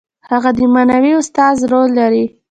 هغه د معنوي استاد رول لري.